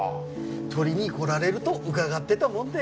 取りに来られると伺ってたもんで。